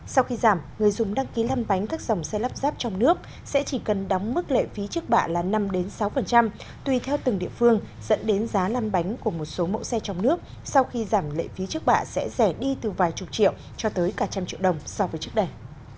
sau khi giảm người dùng đăng ký lăn bánh các dòng xe lắp ráp trong nước sẽ chỉ cần đóng mức lệ phí trước bạ là năm sáu tùy theo từng địa phương dẫn đến giá lăn bánh của một số mẫu xe trong nước sau khi giảm lệ phí trước bạ sẽ rẻ đi từ vài chục triệu cho tới cả trăm triệu đồng so với trước đây